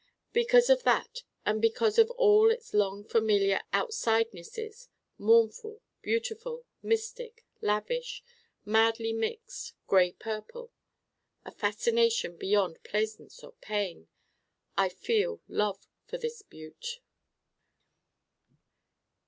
Because of that and because of all its long familiar outsidenesses mournful, beautiful, mystic, lavish, madly mixed, gray purple a fascination beyond plaisance or pain I feel love for this Butte.